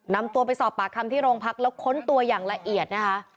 นำตัวไปสอบปากคำที่โรงพักแล้วค้นตัวอย่างละเอียดนะคะ